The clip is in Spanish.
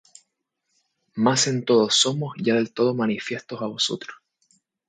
mas en todo somos ya del todo manifiestos á vosotros.